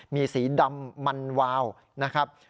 มีสีดำมันวาวนะครับ